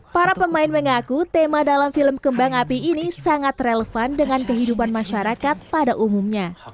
para pemain mengaku tema dalam film kembang api ini sangat relevan dengan kehidupan masyarakat pada umumnya